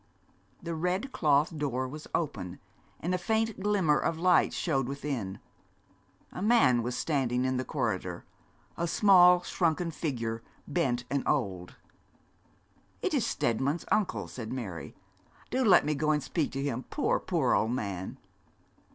The red cloth door was open, and a faint glimmer of light showed within. A man was standing in the corridor, a small, shrunken figure, bent and old. 'It is Steadman's uncle,' said Mary. 'Do let me go and speak to him, poor, poor old man.'